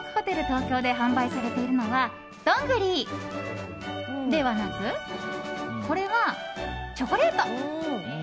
東京で販売されているのは、どんぐりではなく、これはチョコレート！